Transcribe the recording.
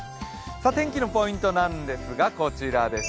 天気のポイントなんですが、こちらです。